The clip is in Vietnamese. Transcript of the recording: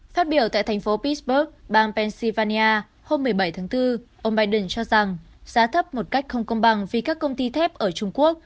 phát biểu tại thành phố pisburg bang pennsylvania hôm một mươi bảy tháng bốn ông biden cho rằng giá thấp một cách không công bằng vì các công ty thép ở trung quốc